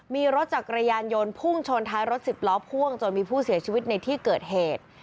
มีรถจักรยานยนต์พุ่งชนท้ายรถสิบล้อพ่วงจนมีผู้เสียชีวิตในที่เกิดเหตุ